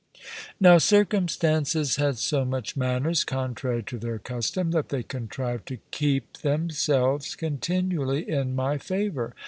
Now circumstances had so much manners (contrary to their custom) that they contrived to keep themselves continually in my favour.